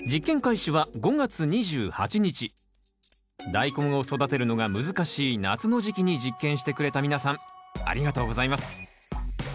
ダイコンを育てるのが難しい夏の時期に実験してくれた皆さんありがとうございます。